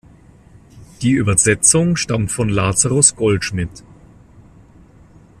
Die Übersetzung stammt von Lazarus Goldschmidt.